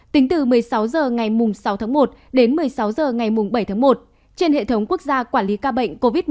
tính từ một mươi sáu h ngày sáu tháng một đến một mươi sáu h ngày bảy tháng một trên hệ thống quốc gia quản lý ca bệnh covid một mươi chín